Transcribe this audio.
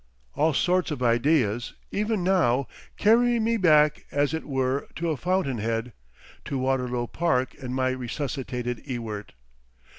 All sorts of ideas, even now, carry me back as it were to a fountain head, to Waterlow Park and my resuscitated Ewart.